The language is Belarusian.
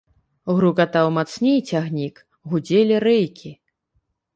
Грукатаў мацней цягнік, гудзелі рэйкі.